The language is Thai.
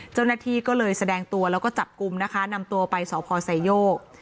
เจ้าหน้าที่ก็เลยแสดงตัวแล้วก็จับกลุ่มนะคะนำตัวไปสพไซโยก